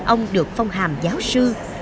ông được phong hàm giáo sư